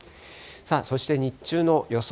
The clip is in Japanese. そして日中の予想